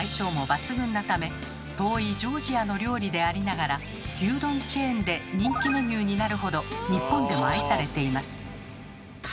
遠いジョージアの料理でありながら牛丼チェーンで人気メニューになるほど日本でも愛されています。